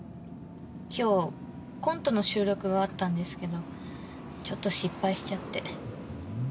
今日コントの収録があったんですけどちょっと失敗しちゃって。